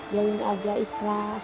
jangan aja ikhlas